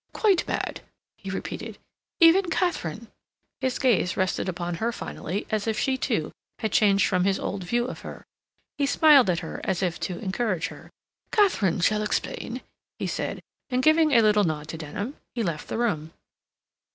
"Quite mad," he repeated. "Even Katharine—" His gaze rested upon her finally, as if she, too, had changed from his old view of her. He smiled at her as if to encourage her. "Katharine shall explain," he said, and giving a little nod to Denham, he left the room.